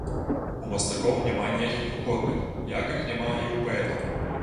У мастакоў няма ніякіх выходных, як іх няма і ў паэтаў.